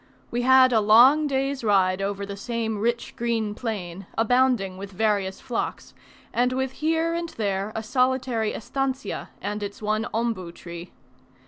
We had a long day's ride over the same rich green plain, abounding with various flocks, and with here and there a solitary estancia, and its one ombu tree.